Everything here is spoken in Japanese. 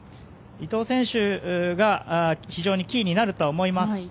伊東選手が非常にキーになるとは思います。